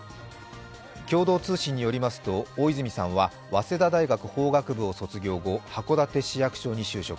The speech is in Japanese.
共同通信によりますと大泉さんは早稲田大学法学部を卒業後、函館市役所に就職